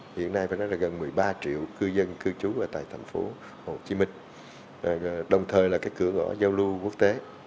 hiện nay phải nói là gần một mươi ba triệu cư dân cư trú ở tại thành phố hồ chí minh đồng thời là cái cửa ngõ giao lưu quốc tế